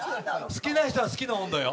好きな人は、好きな温度よ。